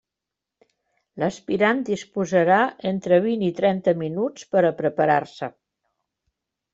L'aspirant disposarà entre vint i trenta minuts per a preparar-se.